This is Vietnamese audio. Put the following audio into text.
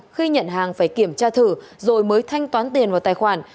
khi nhận hàng phải kiểm tra thử rồi mới thanh toán tiền vào tài khoản